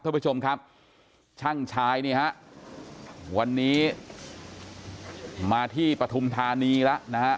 ท่านผู้ชมครับช่างชายนี่ฮะวันนี้มาที่ปฐุมธานีแล้วนะฮะ